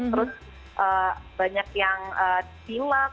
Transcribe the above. terus banyak yang silap